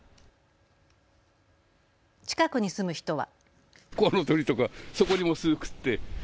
近くに住む人は。